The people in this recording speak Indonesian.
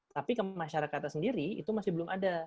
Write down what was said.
tapi ke masyarakatnya sendiri itu masih belum ada